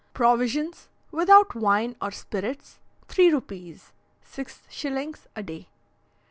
Provisions, without wine or spirits, three rupees (6s.) a day.